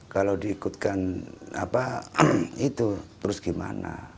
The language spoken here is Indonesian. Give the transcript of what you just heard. kalau diikutkan apa itu terus gimana